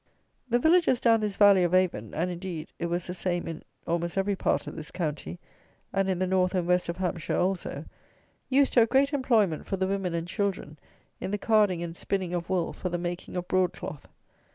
The villages down this Valley of Avon, and, indeed, it was the same in almost every part of this county, and in the North and West of Hampshire also, used to have great employment for the women and children in the carding and spinning of wool for the making of broad cloth.